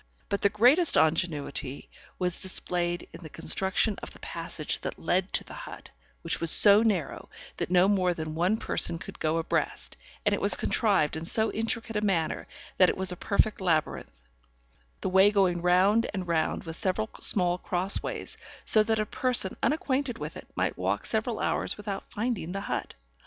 But the greatest ingenuity was displayed in the construction of the passage that led to the hut, which was so narrow, that no more than one person could go abreast, and it was contrived in so intricate a manner, that it was a perfect labyrinth; the way going round and round with several small crossways, so that a person unacquainted with it, might walk several hours without finding the hut.